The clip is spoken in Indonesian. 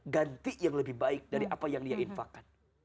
ganti yang lebih baik dari apa yang dia infakkan